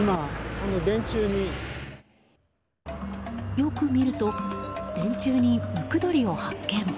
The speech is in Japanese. よく見ると電柱にムクドリを発見。